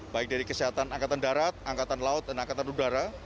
baik dari kesehatan angkatan darat angkatan laut dan angkatan udara